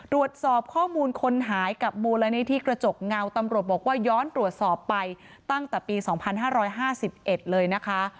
ตรวจสอบข้อมูลคนหายกับมูลนิธิกระจกเงาตำรวจบอกว่าย้อนตรวจสอบไปตั้งแต่ปี๒๕๕๑เลยนะคะ